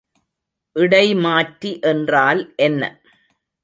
இடைமாற்றி என்றால் என்ன?